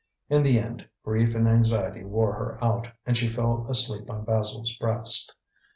In the end, grief and anxiety wore her out, and she fell asleep on Basil's breast.